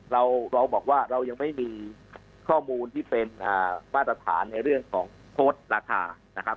เราบอกว่าเรายังไม่มีข้อมูลที่เป็นมาตรฐานในเรื่องของโค้ดราคานะครับ